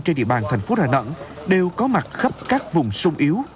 trên địa bàn thành phố đà nẵng đều có mặt khắp các vùng sông yếu